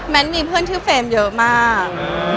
มีเพื่อนชื่อเฟรมเยอะมาก